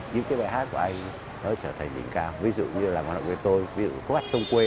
những cái bài hát của anh nó trở thành hình cao ví dụ như làng quan họ quê tôi khúc hát sông quê